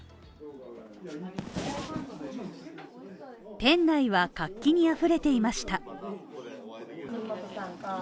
店内は活気にあふれていました